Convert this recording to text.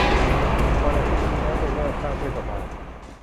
วันอาทิตย์นี้แล้ว ! ไปเลือกตั้งเทศบาล